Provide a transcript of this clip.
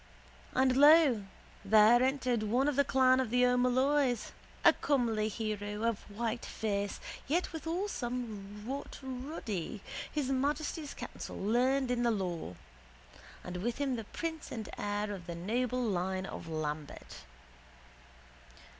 And lo, there entered one of the clan of the O'Molloy's, a comely hero of white face yet withal somewhat ruddy, his majesty's counsel learned in the law, and with him the prince and heir of the noble line of Lambert.